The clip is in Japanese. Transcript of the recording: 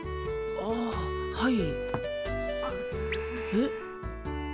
あっはい。